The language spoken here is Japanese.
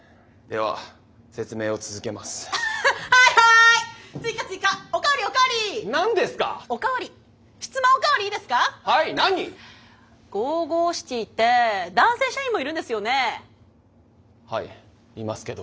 はいいますけど。